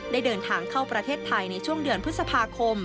ได้เดินทางเข้าประเทศไทยในช่วงเดือนพฤษภาคม